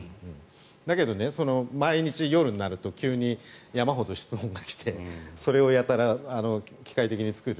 だけど毎日、夜になると急に山ほど質問が来てそれをやたら機械的に作る。